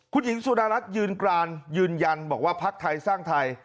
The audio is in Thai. คุณหญิงสุดารัฐยืนกรานยืนยันบอกว่าภักดิ์ไทยสร้างไทย